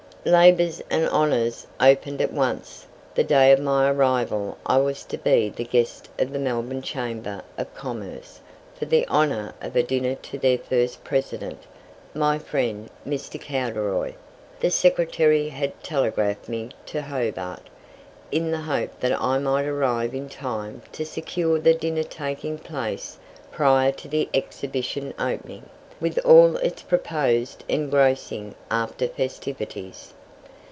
Labours and honours opened at once. The day of my arrival I was to be the guest of the Melbourne Chamber of Commerce for the honour of a dinner to their first President. My friend Mr. Cowderoy, the secretary, had telegraphed me to Hobart, in the hope that I might arrive in time to secure the dinner taking place prior to the Exhibition opening, with all its proposed engrossing after festivities.